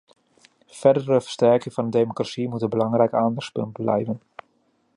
Verdere versterking van de democratie moet een belangrijk aandachtspunt blijven.